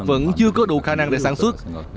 vẫn chưa có đủ khả năng để sản xuất